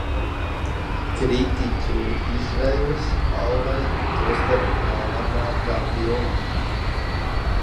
"Kritiķu izvēles balvai, tostarp kā "Labākā filma"."